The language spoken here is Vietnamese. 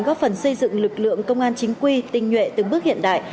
góp phần xây dựng lực lượng công an chính quy tinh nhuệ từng bước hiện đại